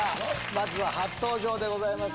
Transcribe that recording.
まずは初登場でございます